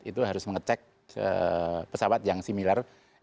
itu harus mengecek pesawat yang similar